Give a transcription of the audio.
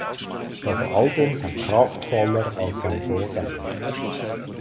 Das Album sei kraftvoller als sein Vorgänger.